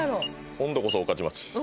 今度こそ御徒町。